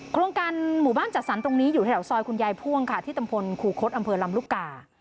โครงการหมู่บ้านจัดสรรตรงนี้อยู่แถวซอยคุณยายพ่วงค่ะที่ตำบลครูคดอำเภอลำลูกกา